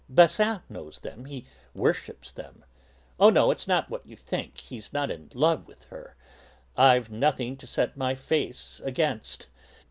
Basin knows them; he worships them. Oh, no, it's not what you think; he's not in love with her. I've nothing to set my face against!